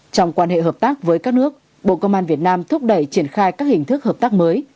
trong quan hệ hợp tác với các nước bộ công an việt nam thúc đẩy triển khai các hình thức hợp tác mới